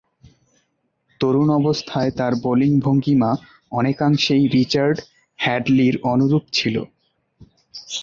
তরুণ অবস্থায় তার বোলিং ভঙ্গীমা অনেকাংশেই রিচার্ড হ্যাডলি’র অনুরূপ ছিল।